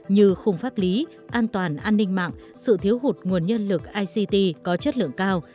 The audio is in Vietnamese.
như khung pháp lý an toàn an ninh mạng sự thiếu hụt nguồn nhân lực ict có chất lượng cao